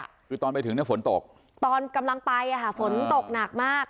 คือตอนไปถึงเนี่ยฝนตกตอนกำลังไปอ่ะค่ะฝนตกหนักมาก